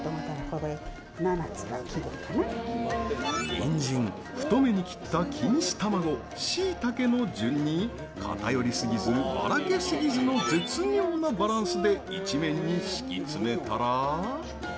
にんじん、太めに切った錦糸卵しいたけの順に偏り過ぎず、ばらけ過ぎずの絶妙なバランスで一面に敷き詰めたら。